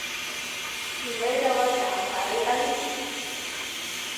لومړی ډول د همکارۍ اړیکې دي.